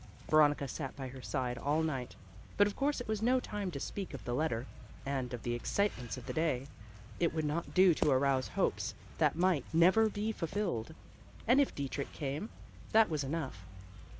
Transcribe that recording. Veronica sat by her side all night, but of course it was no time to speak of the letter, and of the excitements of the day. It would not do to arouse hopes that might never be fulfilled, and if Dietrich came, that was enough.